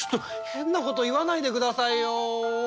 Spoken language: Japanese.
変なこと言わないでくださいよ。